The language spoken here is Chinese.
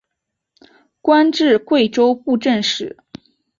官至贵州布政使。